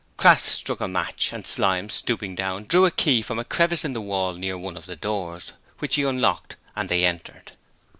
Crass struck a match, and Slyme, stooping down, drew a key from a crevice in the wall near one of the doors, which he unlocked, and they entered.